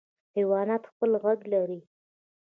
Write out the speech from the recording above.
حیوانات خپل غږ لري.